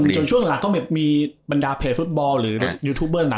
ช่วงหลังก็มีบรรดาเพจฟุตบอลหรือยูทูบเบอร์หนัง